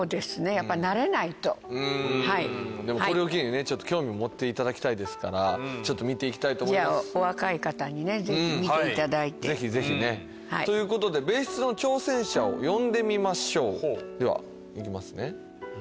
やっぱり慣れないとうんでもこれを機にね興味持っていただきたいですからちょっと見ていきたいと思いますじゃあお若い方にねぜひ見ていただいてぜひぜひねということで別室の挑戦者を呼んでみましょうではいきますね